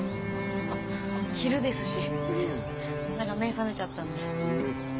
昼ですし何か目覚めちゃったんで。